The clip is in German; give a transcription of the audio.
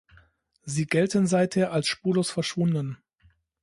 Sie gelten seither als spurlos verschwunden.